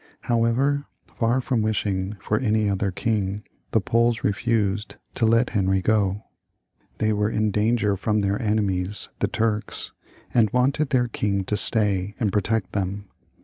However, far from wishing for any other king, the Poles refused to let Henry go. They were in danger from their enemies the Turks, and wanted their king to stay and pro tect them.